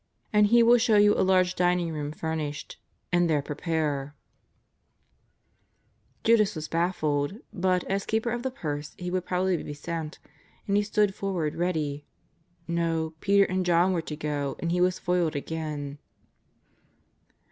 And he will show you a large dining room furnished, and there prepare." 324 JESUS OF NAZARETH. Judas was baffled, but, as keeper of the purse, be would probably be sent, and he stood forward ready. No, Peter and John were to go, and he was foiled again.